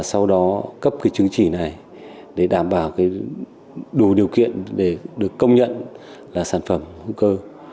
sau đó cấp cái chứng chỉ này để đảm bảo đủ điều kiện để được công nhận là sản phẩm hữu cơ